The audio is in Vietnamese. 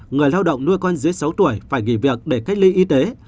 người lao động nuôi con dưới sáu tuổi phải nghỉ việc để cách ly y tế